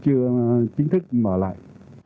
chúng tôi chưa chính thức mở lại